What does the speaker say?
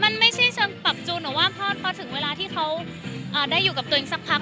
มันไม่ใช่เชิงปรับจูนแต่ว่าพอถึงเวลาที่เขาได้อยู่กับตัวเองสักพัก